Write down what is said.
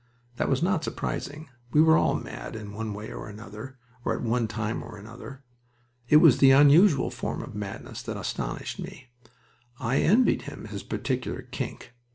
That was not surprising. We were all mad, in one way or another or at one time or another. It was the unusual form of madness that astonished me. I envied him his particular "kink."